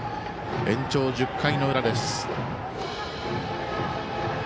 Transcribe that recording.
延長１０回の裏です。